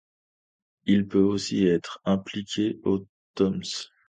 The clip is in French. Il peut aussi être appliqué aux toms.